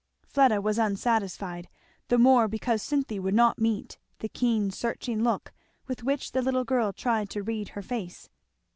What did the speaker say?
Fleda was unsatisfied, the more because Cynthy would not meet the keen searching look with which the little girl tried to read her face.